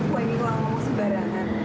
wah ini ruang ngomong sembarangan